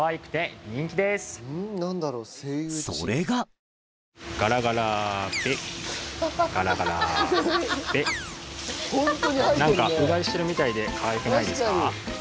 それがうがいしてるみたいでかわいくないですか？